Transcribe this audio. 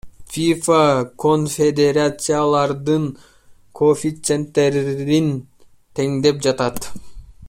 ФИФА конфедерациялардын коэффициенттерин теңдеп жатат